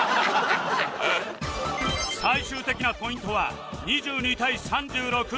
最終的なポイントは２２対３６